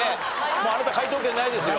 もうあなた解答権ないですよ。